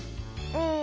うん。